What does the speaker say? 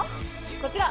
こちら。